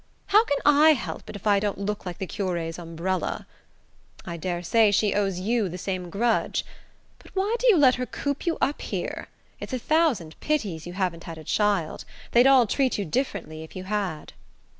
How can I help it if I don't look like the cure's umbrella? I daresay she owes you the same grudge. But why do you let her coop you up here? It's a thousand pities you haven't had a child. They'd all treat you differently if you had."